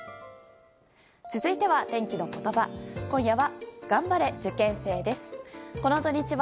続いては天気のことば。